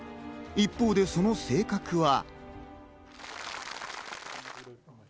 一方で、その性格は。